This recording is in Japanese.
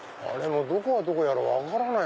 もうどこがどこやら分からない